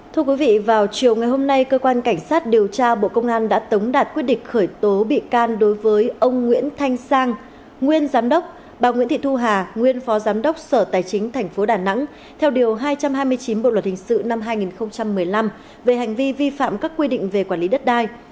thưa quý vị vào chiều ngày hôm nay cơ quan cảnh sát điều tra bộ công an đã tống đạt quyết định khởi tố bị can đối với ông nguyễn thanh sang nguyên giám đốc bà nguyễn thị thu hà nguyên phó giám đốc sở tài chính tp đà nẵng theo điều hai trăm hai mươi chín bộ luật hình sự năm hai nghìn một mươi năm về hành vi vi phạm các quy định về quản lý đất đai